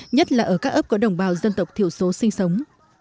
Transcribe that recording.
nhất là ở các ấp có đồng bào dân tộc thiểu số sinh sống